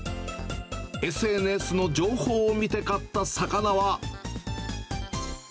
ＳＮＳの情報を見て買った魚は。